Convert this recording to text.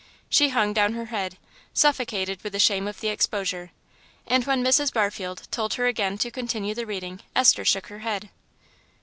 She hung down her head, suffocated with the shame of the exposure, and when Mrs. Barfield told her again to continue the reading Esther shook her head.